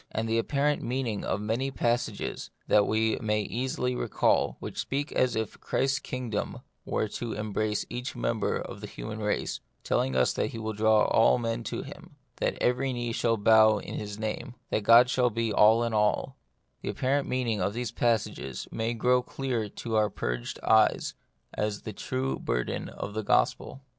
And the apparent The Mystery of Pain, 63 meaning of many passages that we may easily recall, which speak as if Christ's kingdom were to embrace each member of the human race, telling us that He will draw all men to Him ; that every knee shall bow in His name ; that God shall be all in all ;— the ap parent meaning of these passages may grow clear to our purged eyes as the true burden of the gospel.